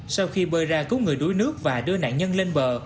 sau khi bơi ra cứu người đuối nước và đưa nạn nhân lên bờ